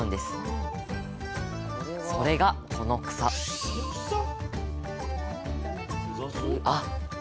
それがこの草あ！